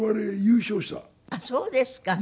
あっそうですか。